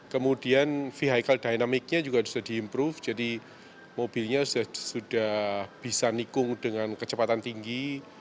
kemudian vehicle dynamic nya juga sudah di improve jadi mobilnya sudah bisa nikung dengan kecepatan tinggi